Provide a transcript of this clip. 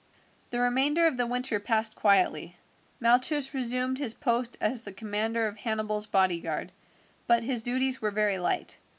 The remainder of the winter passed quietly. Malchus resumed his post as the commander of Hannibal's bodyguard, but his duties were very light.